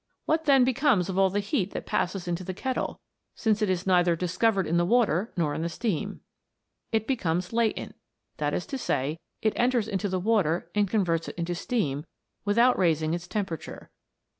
What then becomes of all the heat that passes into the kettle, since it is neither discovered in the water nor in the steam 1 It be comes latent that is to say, it enters into the water and converts it into steam without raising its tem perature.